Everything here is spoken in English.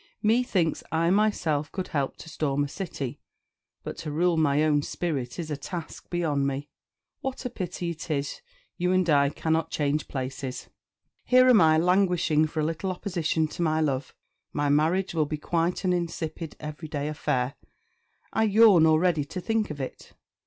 Methinks I myself could help to storm a city; but to rule my own spirit is a task beyond me. What a pity it is you and I cannot change places. Here am I, languishing for a little opposition to my love. My marriage will be quite an insipid, every day affair; I yawn already to think of it.